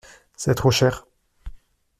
C’est trop cher.